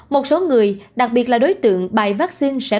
một số người đặc biệt là đối tượng bài vaccine sẽ